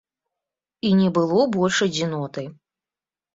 І не было больш адзіноты.